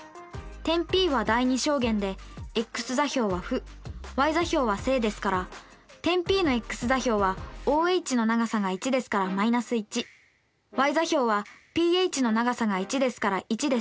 点Ｐは第２象限でｘ座標は負ｙ座標は正ですから点Ｐのｘ座標はＯＨの長さが１ですから−１ｙ座標はＰＨの長さが１ですから１です。